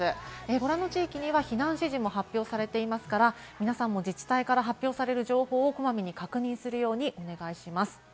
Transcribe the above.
ご覧の地域には避難指示も発表されていますから、皆さんも自治体から発表される情報をこまめに確認するようにお願いします。